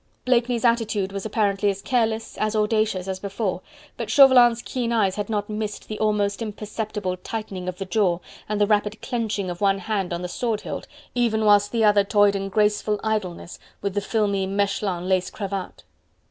Blakeney's attitude was apparently as careless, as audacious as before, but Chauvelin's keen eyes had not missed the almost imperceptible tightening of the jaw and the rapid clenching of one hand on the sword hilt even whilst the other toyed in graceful idleness with the filmy Mechlin lace cravat.